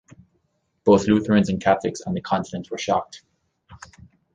Both Lutherans and Catholics on the continent were shocked.